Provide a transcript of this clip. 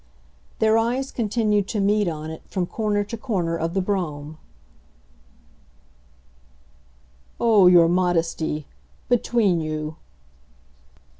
Their eyes continued to meet on it, from corner to corner of the brougham. "Oh your modesty, between you